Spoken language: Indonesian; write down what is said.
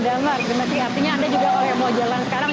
artinya anda juga kalau mau jalan sekarang